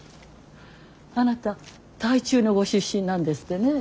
あなた台中のご出身なんですってね。